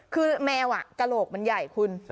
คือแมวกระโหลกมันใหญ่คุณ